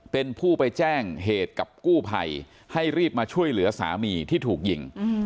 เป็นผู้ไปแจ้งเหตุกับกู้ภัยให้รีบมาช่วยเหลือสามีที่ถูกยิง